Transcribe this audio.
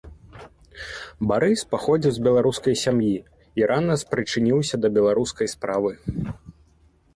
Барыс паходзіў з беларускай сям'і і рана спрычыніўся да беларускай справы.